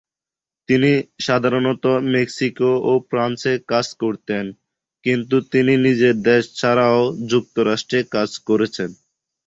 তিনি সাধারণত মেক্সিকো ও ফ্রান্সে কাজ করতেন, কিন্তু তিনি নিজের দেশ ছাড়াও যুক্তরাষ্ট্রে কাজ করেছেন।